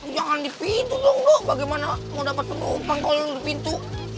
jangan di pintu dong bu bagaimana mau dapat penumpang kalo di pintu